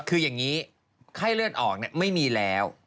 คืออย่างนี้ไข้เลือดออกไม่มีแล้ว